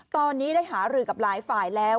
ตอนนี้ได้หารือกับหลายฝ่ายแล้ว